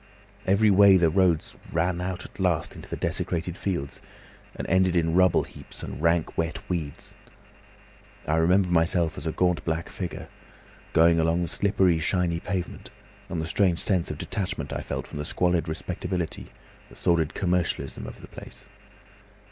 Every way the roads ran out at last into the desecrated fields and ended in rubble heaps and rank wet weeds. I remember myself as a gaunt black figure, going along the slippery, shiny pavement, and the strange sense of detachment I felt from the squalid respectability, the sordid commercialism of the place.